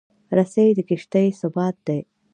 رسۍ د کښتۍ ثبات دی.